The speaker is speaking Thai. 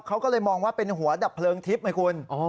เขาก็เลยมองว่าเป็นหัวดับเพลิงทิพย์ไหมคุณ